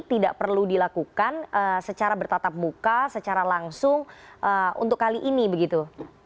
tidak perlu dilakukan secara bertatap muka secara langsung untuk kali ini begitu